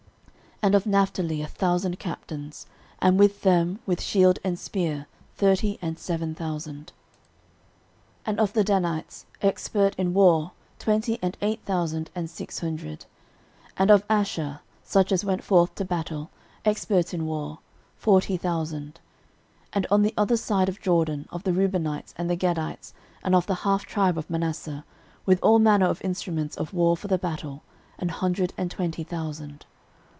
13:012:034 And of Naphtali a thousand captains, and with them with shield and spear thirty and seven thousand. 13:012:035 And of the Danites expert in war twenty and eight thousand and six hundred. 13:012:036 And of Asher, such as went forth to battle, expert in war, forty thousand. 13:012:037 And on the other side of Jordan, of the Reubenites, and the Gadites, and of the half tribe of Manasseh, with all manner of instruments of war for the battle, an hundred and twenty thousand.